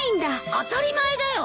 当たり前だよ。